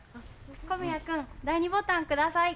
小宮君第２ボタンください。